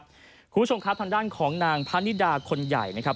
คุณผู้ชมครับทางด้านของนางพะนิดาคนใหญ่นะครับ